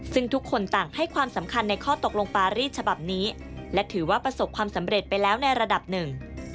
ซึ่งทุกคนต่างให้ความสำคัญในข้อตกลงปารีสฉบับนี้และถือว่าประสบความสำเร็จไปแล้วในระดับหนึ่ง